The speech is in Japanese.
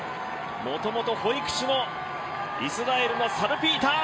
もともと保育士のイスラエルのサルピーター。